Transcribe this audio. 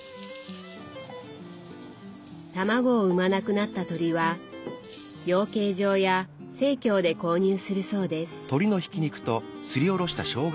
卵を産まなくなった鶏は養鶏場や生協で購入するそうです。